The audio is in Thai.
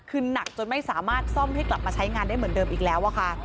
คือหนักจนไม่สามารถซ่อมให้กลับมาใช้งานได้เหมือนเดิมอีกแล้วค่ะ